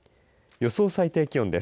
予想最低気温です。